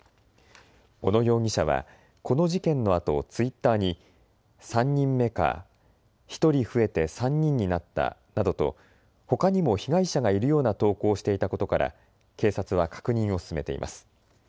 小野容疑者はこの事件のあとツイッターに３人目かぁひとり増えて３人になったなどとほかにも被害者がいるような投稿をしていたことから警察は確認を進めています。